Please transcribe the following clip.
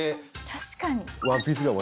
確かに。